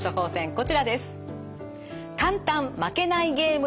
こちらです。